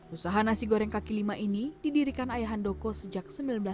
usaha nasi goreng kaki lima ini didirikan ayah handoko sejak seribu sembilan ratus delapan puluh